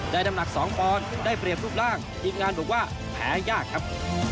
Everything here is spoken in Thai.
น้ำหนัก๒ปอนด์ได้เปรียบรูปร่างทีมงานบอกว่าแพ้ยากครับ